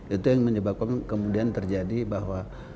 itu yang menyebabkan kemudian terjadi bahwa